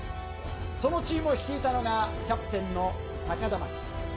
そのチームを率いたのが、キャプテンの高田真希。